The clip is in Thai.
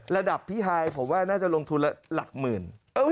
ระดับพี่ฮายผมว่าน่าจะลงทุนละหลักหมื่น